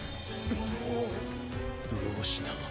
どうした？